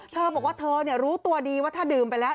เธอบอกว่าเธอรู้ตัวดีว่าถ้าดื่มไปแล้ว